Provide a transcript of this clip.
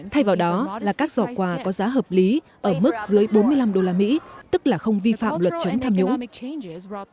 thay vào đó là các giỏ quà có giá hợp lý ở mức dưới bốn mươi năm đô la mỹ tức là không vi phạm luật chống tham nhũng